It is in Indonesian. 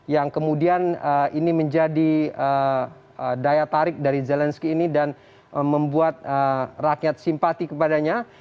yang kemudian ini menjadi daya tarik dari zelensky ini dan membuat rakyat simpati kepadanya